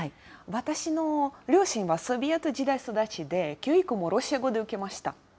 私の両親はソビエト時代育ちで、教育もロシア語で受けました。